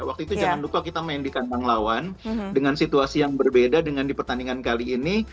waktu itu jangan lupa kita main di kandang lawan dengan situasi yang berbeda dengan di pertandingan kali ini